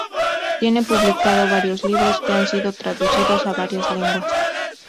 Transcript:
Tiene publicado varios libros que han sido traducidos a varias lenguas.